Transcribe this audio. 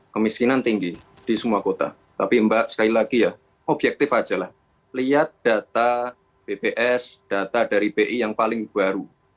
kemiskinan tinggi di semua kota tapi mbak sekali lagi ya objektif ajalah lihat data bps data dari b is yang paling baru pengangguran terbuka sudah